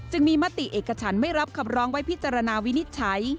จึงมีมติเอกฉันไม่รับคำร้องไว้พิจารณาวินิจฉัย